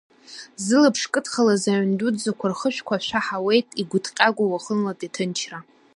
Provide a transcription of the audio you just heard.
Зылаԥш кыдхалаз аҩн-дуӡӡақәа рхышәқәа ашәаҳауеит игәыҭҟьагоу уахынлатәи аҭынчра…